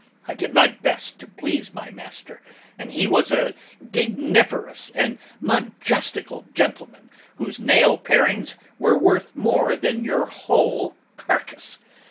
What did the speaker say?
I did my best to please my master and he was a digniferous and majestical gentleman whose nail parings were worth more than your whole carcass.